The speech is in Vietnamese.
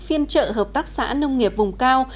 phiên trợ hợp tác xã nông nghiệp vùng cao